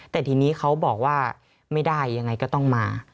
แต่ทีนี้เขาบอกว่าไม่ได้ยังไงก็ต้องมา